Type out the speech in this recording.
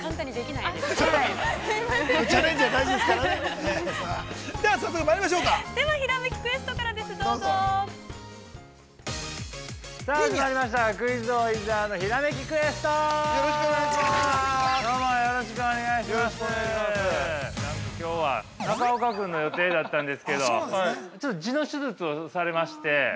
◆なんと、きょうは中岡君の予定だったんですけどちょっと痔の手術をされまして。